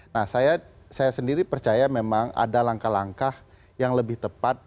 nah saya sendiri percaya memang ada langkah langkah yang lebih tepat